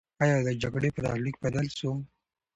آیا د جګړې برخلیک بدل سو؟